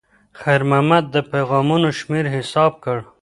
خیر محمد د پیغامونو شمېر حساب کړ.